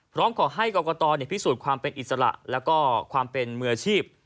พร้อมขอให้กรกตพิสูจน์ความเป็นอิสระแล้วก็ความเป็นมืออาชีพ